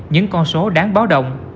những con số đáng báo động